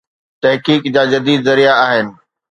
تحقيق جا جديد ذريعا آهن.